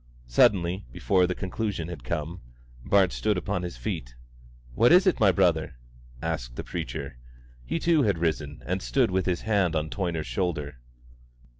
Suddenly, before the conclusion had come, Bart stood up upon his feet. "What is it, my brother?" asked the preacher. He too had risen and stood with his hand on Toyner's shoulder.